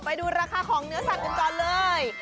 ไปดูราคาของเนื้อสัตว์กันก่อนเลย